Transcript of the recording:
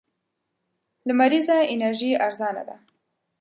لمريزه انرژي ارزانه ده.